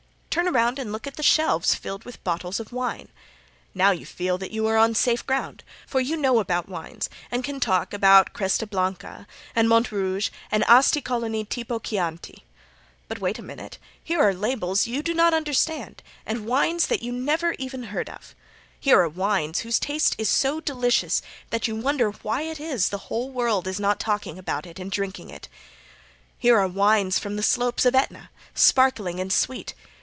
Turn around and look at the shelves filled with bottles of wine. Now you feel that you are on safe ground, for you know about wines and can talk about Cresta Blanca, and Mont Rouge, and Asti Colony Tipo Chianti. But wait a minute. Here are labels that you do not understand and wines that you never even heard of. Here are wines whose taste is so delicious that you wonder why it is the whole world is not talking about it and drinking it. Here are wines from the slopes of Aetna, sparkling and sweet.